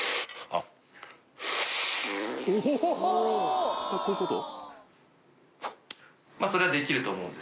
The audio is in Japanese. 叩繊こういうこと？